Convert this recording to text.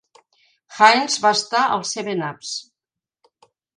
Haines va estar als "Seven-Ups".